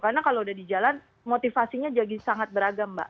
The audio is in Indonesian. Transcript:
karena kita sudah di jalan motivasinya jadi sangat beragam mbak